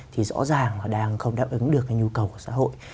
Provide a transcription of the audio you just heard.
thì rõ ràng đang không đáp ứng được nhu cầu của xã hội